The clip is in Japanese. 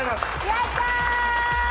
やった！